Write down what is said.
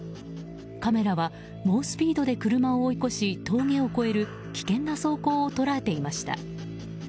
カメラは猛スピードで車を追い越し峠を越える危険な走行を捉えていました。